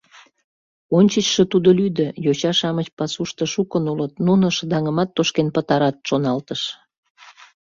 Ончычшо тудо лӱдӧ: йоча-шамыч пасушто шукын улыт, нуно шыдаҥымат тошкен пытарат, шоналтыш.